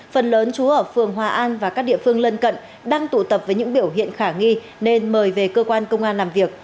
phần lớn chú ở phường hòa an và các địa phương lân cận đang tụ tập với những biểu hiện khả nghi nên mời về cơ quan công an làm việc